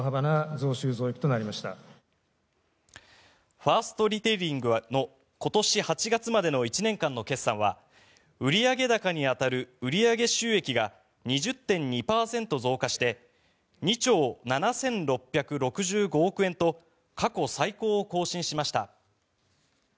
ファーストリテイリングの今年８月までの１年間の決算は売上高に当たる売上収益高が２０．２％増加して２兆７６６５億円と過去最高を更新しました。